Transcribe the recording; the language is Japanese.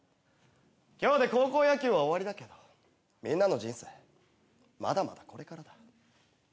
今日で高校野球は終わりだけどみんなの人生まだまだこれからだ。